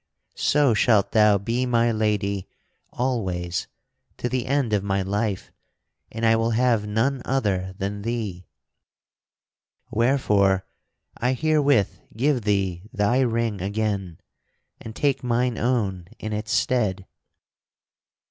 So shalt thou be my lady always to the end of my life and I will have none other than thee. Wherefore I herewith give thee thy ring again and take mine own in its stead."